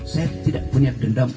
saya tidak punya dendam